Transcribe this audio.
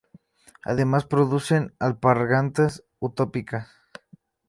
Además producen "alpargatas utópicas".